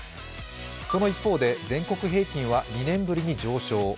その一方で、全国平均は２年ぶりに上昇。